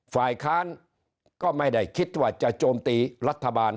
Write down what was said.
ฝ่ายค้านก็ไม่ได้คิดว่าจะโจมตีรัฐบาล